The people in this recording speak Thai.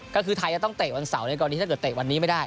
ก็คือไทยจะต้องเตะวันเสาร์เลยก่อนนี้ถ้าเตะวันนี้ไม่ได้